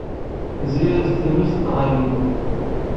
Tezzi-yas-d tmes dɣa yemmut.